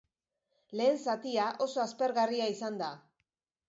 Lehen zatia oso aspergarria izan da.